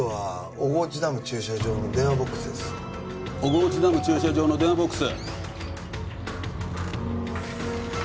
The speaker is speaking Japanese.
小河内ダム駐車場の電話ボックス。